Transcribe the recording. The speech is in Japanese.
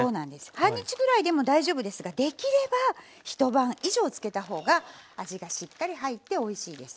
半日ぐらいでも大丈夫ですができれば一晩以上漬けた方が味がしっかり入っておいしいです。